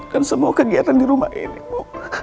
dan semua kegiatan di rumah ini bu